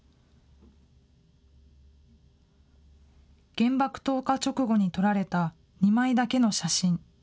原爆投下直後に撮られた２枚だけの写真。